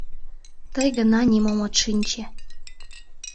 Тый гына нимом от шинче...